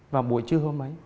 và buổi trưa hôm ấy